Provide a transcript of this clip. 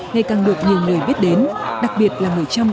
ngày càng được nhiều người biết đến đặc biệt là người trăm